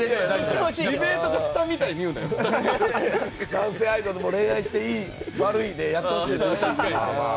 男性アイドルも恋愛していい悪いでやってほしいね。